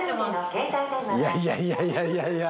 いやいやいやいやいやいや。